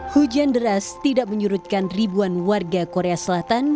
hujan deras tidak menyurutkan ribuan warga korea selatan